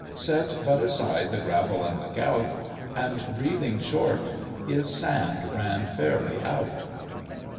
Set but aside the gravel and the gout. And breathing short his sand ran fairly out.